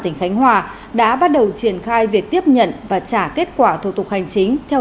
tỉnh khánh hòa đã bắt đầu triển khai việc tiếp nhận và trả kết quả thủ tục hành chính theo